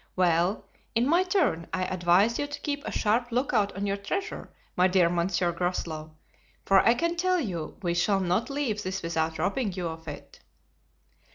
"Well, in my turn I advise you to keep a sharp lookout on your treasure, my dear Monsieur Groslow, for I can tell you we shall not leave this without robbing you of it."